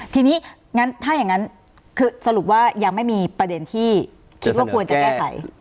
ทีนี้ถ้าอย่างนั้นคือสรุปว่ายังไม่มีประเด็นที่คิดว่าควรจะแก้ไข